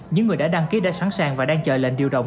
những người đã đăng ký đã sẵn sàng và đang chờ lệnh điều động